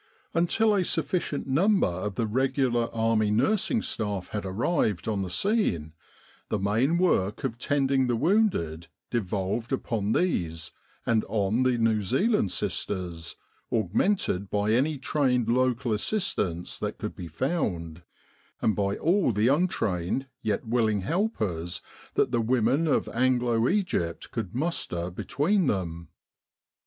Until a sufficient number of the regular Army nursing staff had arrived on the scene, the main work of tending the wounded devolved upon these, and on the New Zealand sisters, augmented by any trained local assistance that could be found, and by all the untrained yet willing helpers that the women of Anglo Egypt could muster between them.